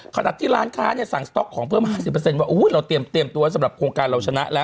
ขนาดที่ร้านค้าเนี่ยสั่งสต๊อกของเพิ่ม๕๐ว่าเราเตรียมตัวสำหรับโครงการเราชนะแล้ว